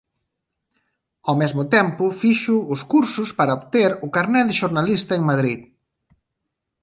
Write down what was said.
Ao mesmo tempo fixo os cursos para obter o carné de xornalista en Madrid.